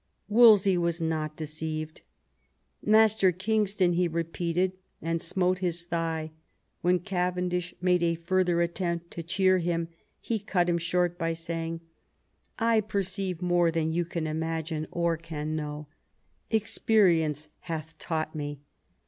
Wolsey was not deceived. " Master Kingston," he repeated, and smote his thigh. When Cavendish made a further attempt to cheer him he cut him short by saying, " I perceive more than you can imagine or can know. Ex X THE FALL OF WOLSEY 203 perience hath taught me."